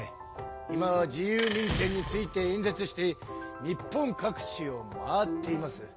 今は自由民権について演説して日本各地を回っています。